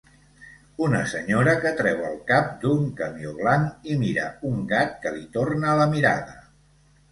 Una senyora que treu el cap d'un camió blanc i mira un gat que li torna la mirada